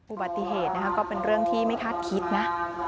อุบัติเหตุนะคะก็เป็นเรื่องที่ไม่คาดคิดนะ